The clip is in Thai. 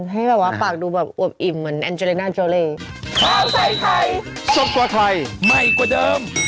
ให้แบบว่าปากดูแบบอวบอิ่มเหมือนแอนเจเลน่าเจาเล